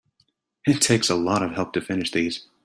It takes a lot of help to finish these.